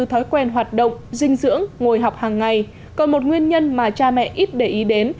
thói quen hoạt động dinh dưỡng ngồi học hàng ngày còn một nguyên nhân mà cha mẹ ít để ý đến